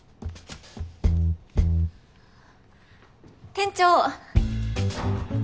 店長。